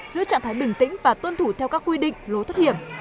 giữ trạng thái bình tĩnh và tuân thủ theo các quy định lố thoát hiểm